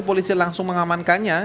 polisi langsung mengamankannya